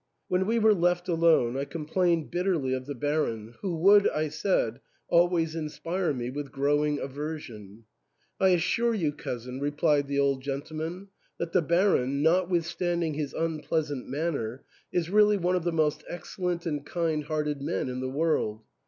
When we were left alone, I complained bitterly of the Baron, who would, I said, always inspire me with growing aversion. " I assure you, cousin," replied the old gentleman, " that the Baron, notwithstanding his unpleasant manner, is really one of the most excellent and kind hearted men in the world.